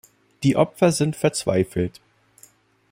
Die Opfer sind verzweifelt.